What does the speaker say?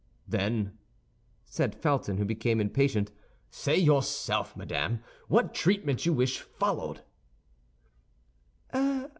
"Then," said Felton, who became impatient, "say yourself, madame, what treatment you wish followed."